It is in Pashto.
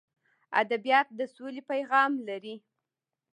ادبیات د سولې پیغام لري.